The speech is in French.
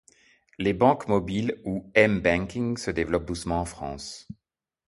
Les banques mobiles ou M-banking se développent doucement en France.